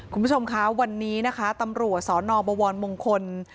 คุณผู้ชมคะวันนี้นะคะตำรวจสนบวรมงคล